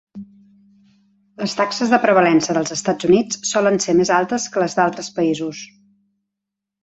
Les taxes de prevalença dels Estats Units solen ser més altes que les d'altres països.